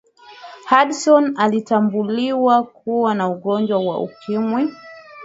hudson aliatambuliwa kuwa na ugonjwa wa ukimwi